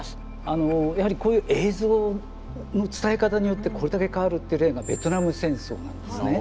あのやはりこういう映像の伝え方によってこれだけ変わるって例がベトナム戦争なんですね。